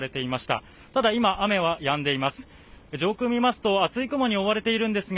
ただいま雨はやんでいます